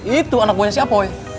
itu anak buahnya si apoy